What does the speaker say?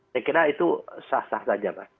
saya kira itu sah sah saja pak